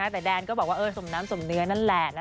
แต่แดนก็บอกว่าสมน้ำสมเนื้อนั่นแหละ